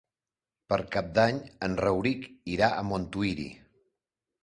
Per Cap d'Any en Rauric irà a Montuïri.